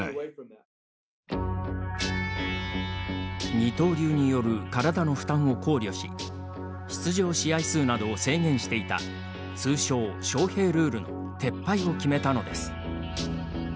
二刀流による体の負担を考慮し出場試合数などを制限していた通称、ショウヘイルールの撤廃を決めたのです。